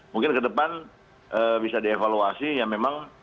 mungkin ke depan bisa dievaluasi ya memang